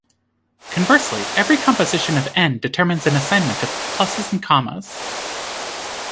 Conversely, every composition of "n" determines an assignment of pluses and commas.